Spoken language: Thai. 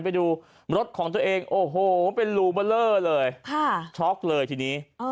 มีบอเหลอเลยช็อคเลยทีนี้